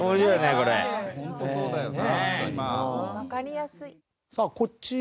これそうだよね。